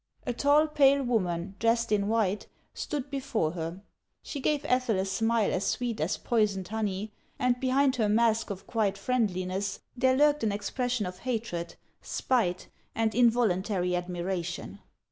A tall, pale woman, dressed in white, stood before her. She gave Ethel a smile as sweet as poisoned honey, and behind her mask of quiet friendliness there lurked an expression of hatred, spite, and involuntary admiration.